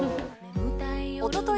おととい